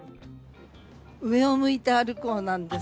「上を向いて歩こう」なんです。